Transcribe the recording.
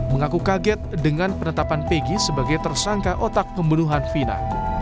mengaku kaget dengan penetapan pegi sebagai tersangka otak pembunuhan vina